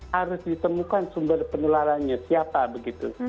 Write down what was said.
harus ditemukan sumber penularannya siapa begitu